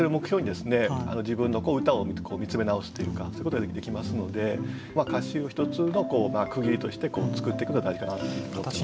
自分の歌を見つめ直すというかそういうことができますので歌集を一つの区切りとして作っていくのは大事かなと思ってますね。